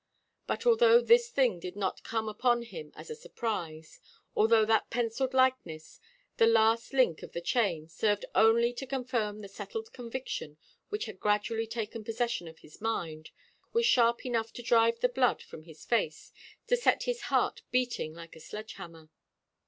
But, although this thing did not come upon him as a surprise; although that pencilled likeness, the last link of the chain, served only to confirm the settled conviction which had gradually taken possession of his mind, the shock was sharp enough to drive the blood from his face, to set his heart beating like a sledgehammer.